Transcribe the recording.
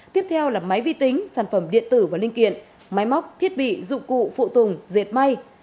tiếp theo là máy vi tính sản phẩm điện tử và linh kiện máy móc thiết bị dụng cụ phụ tùng diệt may